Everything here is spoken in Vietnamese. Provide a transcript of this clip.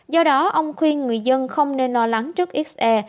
do đó ông khuyên người dân không nên lo lắng trước se